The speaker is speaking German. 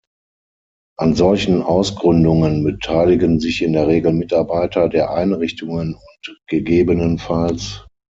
An solchen Ausgründungen beteiligen sich in der Regel Mitarbeiter der Einrichtungen und ggf.